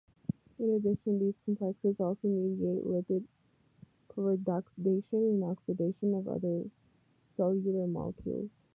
In addition, these complexes also mediate lipid peroxidation and oxidation of other cellular molecules.